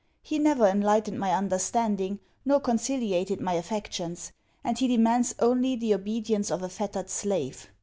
He never enlightened my understanding, nor conciliated my affections; and he demands only the obedience of a fettered slave.